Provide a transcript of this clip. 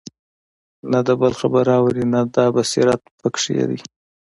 نه د بل خبره اوري او نه دا بصيرت په كي وي